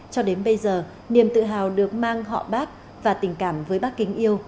cho đến bây giờ niềm tự hào được mang họ bác và tình cảm với bác kính yêu